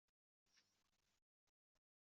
Ad teẓwid texsed ul tɣissed.